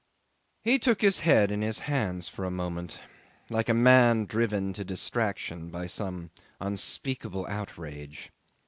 'He took his head in his hands for a moment, like a man driven to distraction by some unspeakable outrage.